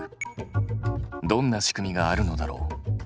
どんな仕組みがあるのだろう。